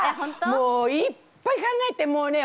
もういっぱい考えてもうね